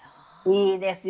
いいですよね。